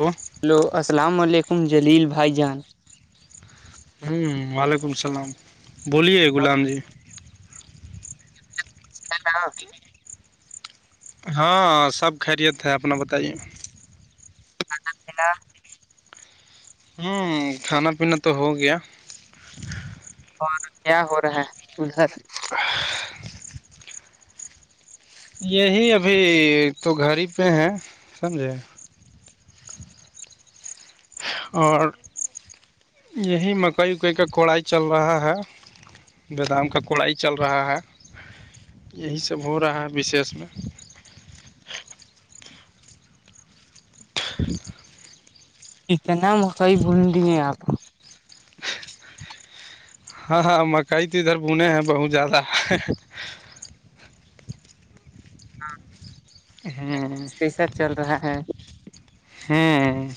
وہ ہیلو السلام علیکم جلیل بھائی جان ہوں وعلیکم السلام بولیے غلام جی [unintelligible] ہاں سب خیریت ہے اپنا بتائیے [unintelligible] ہوں کھانا پینا تو ہو گیا اور کیا ہو رہا ہے ادھر یہی ابھی تو گھر ہی پہ ہیں سمجھے اور یہی مکئی اکئی کا کوڑائی چل رہا ہے بیدام کا کوڑائی چل رہا ہے یہی سب ہو رہا ہے وشیش میں [unintelligible] کتنا مقعی بھون دیے آپ ہاں ہاں مکئی تو ادھر بنے ہیں بہت زیادہ ہوں کیسا چل رہا ہے ہوں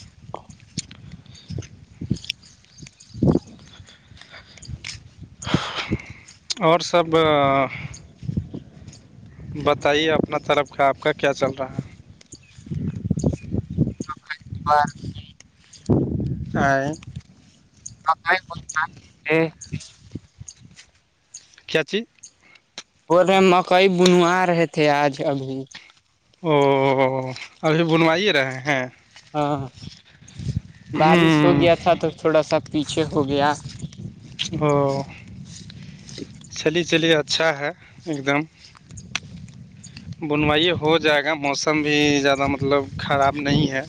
اور سب بتائیے اپنا طرف کا آپ کا کیا چل رہا ہے ا ب اور آ بہت ہیں کھیچی بول رہے مکئی بنوا رہے تھے آج ابھی او ابھی بنوائیے رہے ہیں ہاں بارش ہو ہ گیا تھا تو تھوڑا سا پیچھے ہو گیا ا چلی چلی اچھا ہے ایک دم بنوائی ہو جائے گا موسم بھی زیادہ مطلب خراب نہیں ہے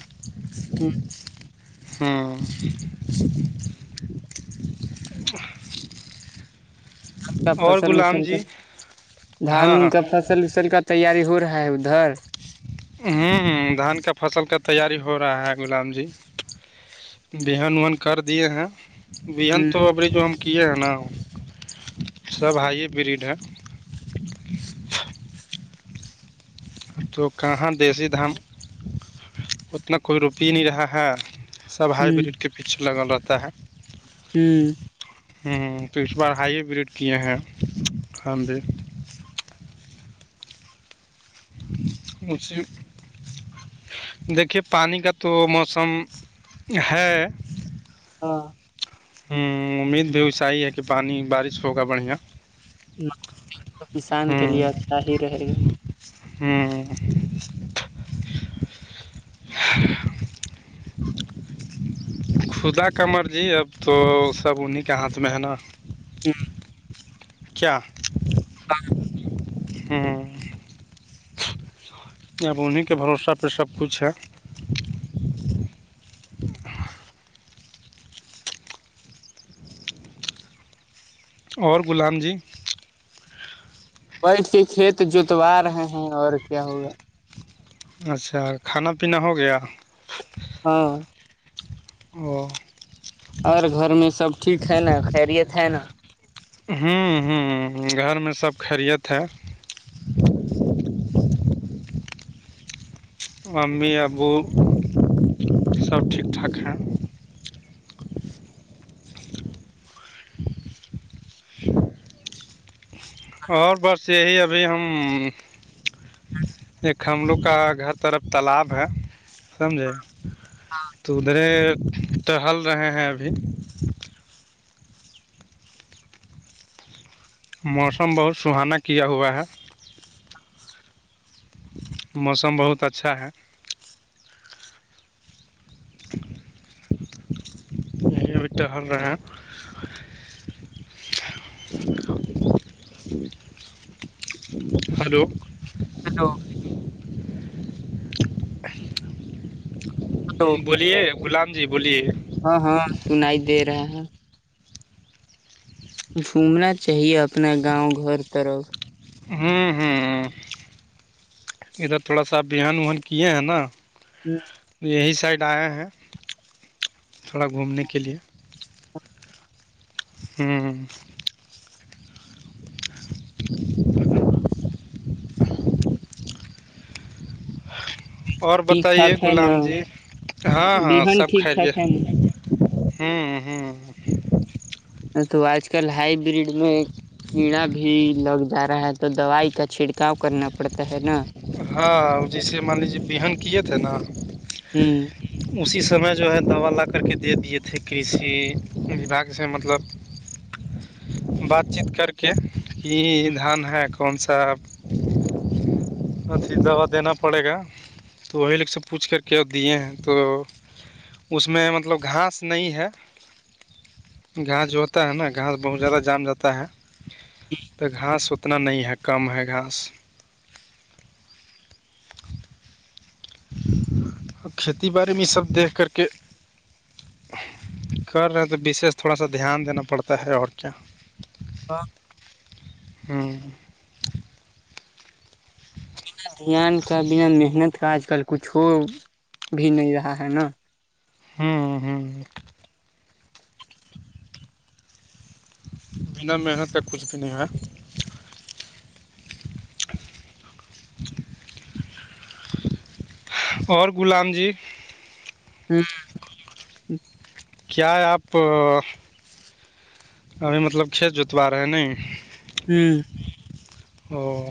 [unintelligible] ہاں کا اور فصل غلام اسلتا جی دھان ہاں کا فصل اسل کا تیاری ہو رہا ہے ادھر ہوں ہ دھان کا فصل کا تیاری ہو رہا ہے غلام جی بہن وہن کر دیے ہیں بین ہ تو ابڑ جو ہم کیے ہیں نا سب ہائی بریڈ ہے تو کہاں دیسی دھام اتنا کوئی روپ ہی نہیں رہا ہے سب ہ ہائیبریڈ کے پیچھے لگا رہتا ہے ہوں ہ تو اس بار ہائی بریڈ کیے ہیں کان بھی مسیے دیکھیے پانی کا تو موسم ہے ہاں ہوں امید بھی اسیس ہی ہے کہ پانی بارش ہوگا بڑھیا کسان کے لیے اچھا ہی رہے گا ہوں خدا کا مرضی اب تو سب انہیں کے ہاتھ میں ہے نا ہاں کیا ہاں ہاں اپ انہیں کے بھروسہ پہ سب کچھ ہے اور غلام جی بیٹھ کے کھیت جوتوا رہے ہیں اور کیا ہوگا اچھا کھانا پینا ہو گیا ہاں اور اورر گھر میں سب ٹھیک ہے نا خیریت ہے نا ہوں ہوں گھر میں سب خیریت ہے ممی ابو سب ٹھیک ٹھاک ہیں اور بس یہی ابھی ہم ایک ہم لوگ کا گات طرف تالاب ہے سمجھے ہاں تو ادھرے ٹڑہل رہے ہیں ابھی موسم بہت سہانا کیا ہوا ہے موسم بہت اچھا ہے [inaudible] یہ بیٹے ہم نے [inaudible] ہلو ہلو ہ ہلو بولیے غلام جی بولیے ہاں ہاں سنائی دے رہے ہیں جھومنا چاہیے اپنا گاؤں گھر طرف ہوں ہوں ہ ادھر تھوڑا سا ابحان وہان کیے ہیں نا ہی یہی سائڈ آیا ہیں تھوڑا گھومنے کے لیے ہوں اور ٹھیک بتائیے ٹھاک ہے نا غلام جی ہاں ہاں بہن سب ٹھیک ٹھاک خیریت ہے نا ہوں ہوں تو آج کل ہائی بریڈ میں کیڑا بھی لگ جا رہا ہے تو دوائی کا چھڑکاؤ کرنا پڑتا ہے نا ہاں جیسے مان لیجیے بیہن کیے تھے نا ہوں اسی سمے جو ہے دوا لا کر کے دے دیے تھے کسی وبھاگ سے مطلب بات چیت کر کے یہ دھان ہے کون سا اھی دوا دینا پڑے گا تو وہی لوگ سب پوچھ کر کے اور دیے ہیں تو اس میں مطلب گھاس نہیں ہے گھاس جو ہوتا ہے نا گھاس بہت زیادہ جان جاتا ہے تو گھاس اتنا نہیں ہے کم ہے گھاس کھیتی باڑی میں سب دیکھ کر کے کر رہے ہیں تو وشیش تھوڑا سا دھیان دینا پڑتا ہے اور کیا ہاں ہاں بنا دھیان کا بنا محنت کا آج کل کچھ ہو بھی نہیں رہا ہے نا ہوں ہوں بنا محنت کے کچھ بھی نہیں ہے [inaudible] [inaudible] اور غلام جی ہاں کیا ہے آپ ابھی مطلب کھیت جوتوا رہے ہے نہیں ہوں او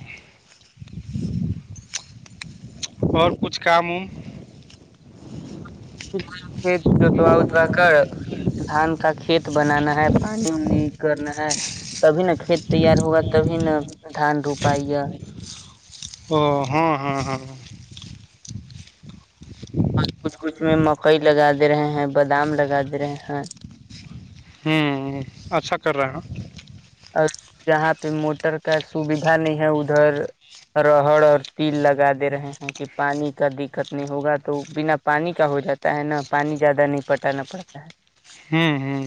اور کچھ کام اوم جوتوا توا کر دھان کا کھیت بنانا ہے پانی وانی کرنا ہے تبھی نا کھیت تیار ہوگا تبھی نا دھان روپائی گا ا ہاں ہاں ہاں ہاں اور کچھ کچھ میں مکئی لگا دے رہے ہیں بادام لگا دے رہے ہیں ہوں اچھا کر رہے ہیں اور جہاں پہ موٹر کا سوبیدھا نہیں ہے ادھر راہر اور تل لگا دے رہے ہیں کہ پانی کا دق کت نہیں ہوگا تو بنا پانی کا ہو جاتا ہے نا پانی زیادہ نہیں پٹانا پڑتا ہے ہوں ہوں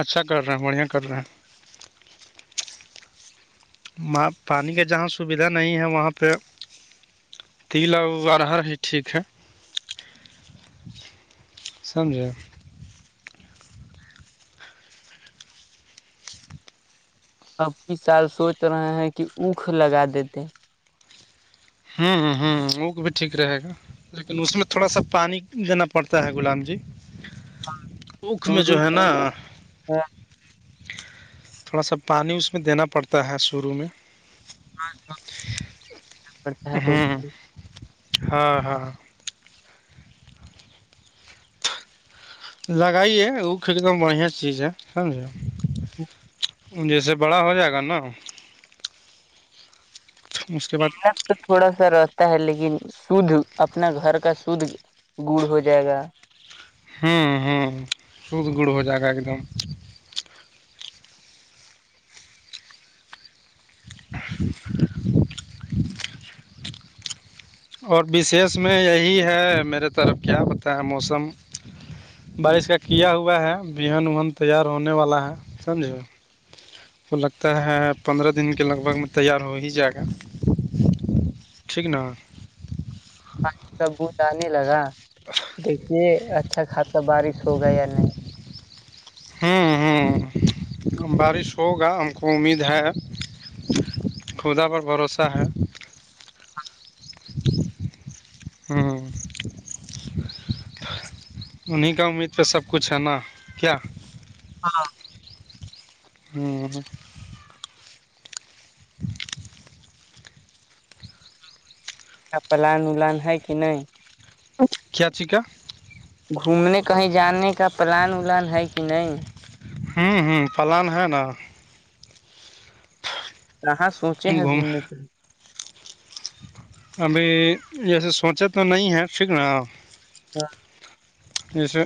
اچھا کر رہے ہیں بڑھیا کر رہے ہیں وہاں پانی کے جہاں سویدھا نہیں ہے وہاں پہ تل ارہر ہی ٹھیک ہے سمجھے اب کی سال سوچ رہے ہیں کہ اوکھ لگا دیتے ہوں ہوں ہوں وکھ بھی ٹھیک رہے گا لیکن اس میں تھوڑا سا پانی دینا پڑتا ہے غلام جی اوکھ میں دور جو ہے نا تھوڑا سا پانی اس میں دینا پڑتا ہے شروع میں ہاں [unintelligible] ہوں ہاں ہاں لگائیے او کھ ایک دم بڑھیا چیز ہے سمج جی [inaudible] جیسے بڑا ہو جائے گا نا اس کے ہاں بعد [unintelligible] تو تھوڑا سا رہتا ہے لیکن شدھ اپنا گھر کا شھ گڑ ہو جائے گا ہوں ہوں خود گڑ ہو جائے گا ایک دم [inaudible] اور وشیش میں یہی ہے میرے طرف کیا بت ہے موسم بارش کا کیا ہوا ہے بہن وہن تیار ہونے والا ہے سمجھے تو لگتا ہے پندرہ دن کے لگ بھگ میں تیار ہو ہی جائے گا ٹھیک نا پانی کا بند آنے لگا دیکھیے اچھا خاصا بارش ہوگا یا نہیں ہ ہ بارش ہوگا ہم کو امید ہے خدا پر بھروسہ ہے ہاں انہیں کا امید پہ سب کچھ ہے نا کیا ہاں اور اچا پلان ولان ہے کہ نہیں کیایا چکا گھومنے کہیں جانے کا پلان ولان ہے کہ نہیں ہوں ہوں پلان ہے نا کہاں سوچے ہیں گھوم گھومنے پ ابھی جیسے سوچا تو تو نہیں ہے ٹھیک نا ہاں جیسے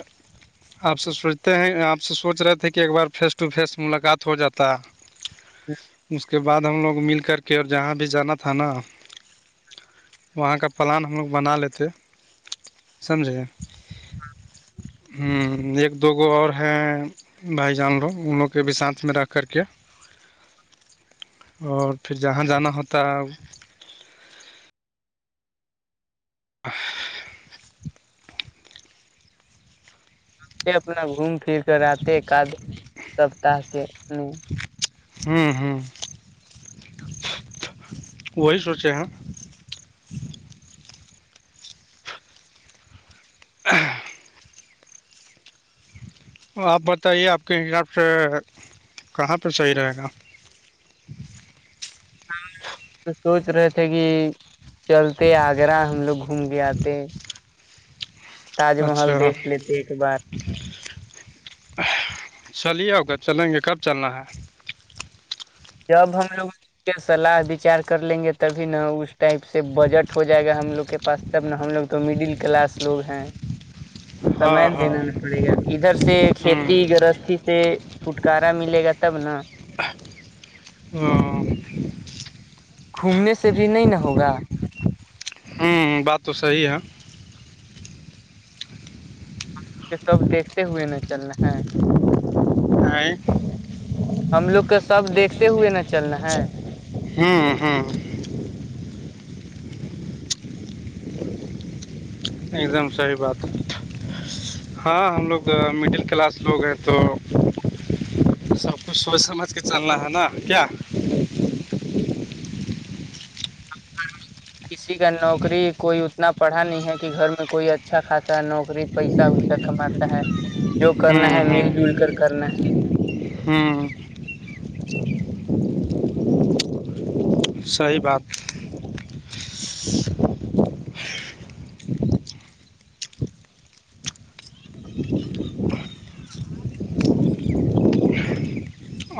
آپ سے سوچتے ہیں آپ سے سوچ رہے تھے کہ ایک بار فیس ٹو فیس ملاقات تھ جاتا م اس کے بعد ہم لوگ مل کر کے اور جہاں بھی جانا تھا نا وہاں کا پلان ہم لوگ بنا لیتے سمجھے ہوں ایک دو گو اور ہیں بھائی جان لوگ ان لوگ کے بھی ساتھ میں رکھ کر کے [inaudible] اور پھر جہاں جانا ہوتا و اپنا گھوم پھر کے رہتے ایکد سپتاہ کے اپنے ہوں ہوں وہی سوچے ہیں ہ آپ بتائیے آپ کے حساب سے کہاں پہ صحیح رہے گا ہاں تو سوچ رہے تھے کہ چلتے آگرہ ہم لوگ گھوم کے آتے تاج محل اچھا دیکھ لیتے ایک بار چلیے ہوگ چلیں گے کب چلنا ہے ج اب ہم لوگ سلاح بچار کر لیں گے تبھی نا اس ٹائپ سے بجٹ ہو جائے گا ہم لوگ کے پاس تب نا ہم لوگ تو مڈل کلاس لوگ ہیں سم ہاں ہاں دینا نہیں پڑے گا ادھر سے کھیتی گرستی سے چھٹکارا ملے گا تب نا ہ گھومنے سے بھی نہیں ن ہوگا ہوں بات تو صحی ہے کہ سب دیکھتے ہوئے نا چل رہ ہیں آ ہم لوگ کا سب دھتے ہوئے نا ہاں ہاں ایک دم صحی بات ہے ہاں ہم لوگ مڈل کلاس لوگ ہیں تو سب کچھ سوچ سمجھ کے چلنا ہے نا کیا [inaudible] کسی کا نوکری کوئی اتنا پڑھا نہیں ہے کہ گھر میں کوئی اچھا خاصا نوکری پیسہ ویسا کماتا ہے جو کرنا ہے مل جل کر کرنا ہے ہمم صحیح بات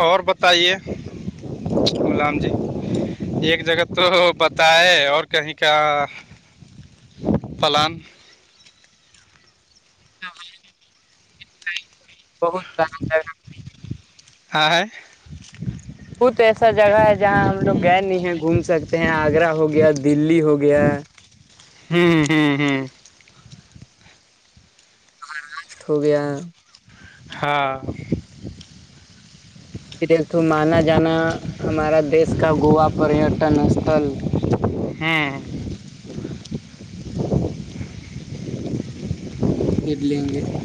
اور بتائیے غلام جی ایک جگہ تو بتا ہے اور کہیں کا پلان [inaudible] بہت با جگہ ہے کت ایسا جگہ ہے جہاں ہم لوگ گئے نہیں ہیں گھوم سکتے ہیں آگرہ ہو گیا دلی ہو گیا ہمم ہمم ہمم راشٹ ہو گیا ہاں پ تو مانا جانا ہمارا دیش کا گووا پریٹن استل ہمم ارلی ہنے